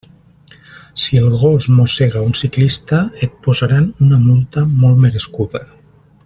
Si el gos mossega un ciclista, et posaran una multa molt merescuda.